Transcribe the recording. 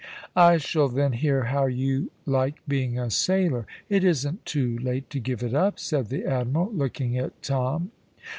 "I shall then hear how you like being a sailor. It isn't too late to give it up," said the Admiral, looking at Tom.